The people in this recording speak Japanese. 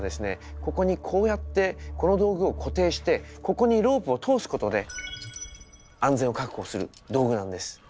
ここにこうやってこの道具を固定してここにロープを通すことで安全を確保する道具なんです。